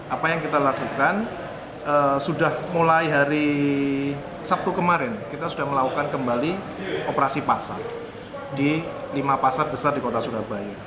apa yang kita lakukan sudah mulai hari sabtu kemarin kita sudah melakukan kembali operasi pasar di lima pasar besar di kota surabaya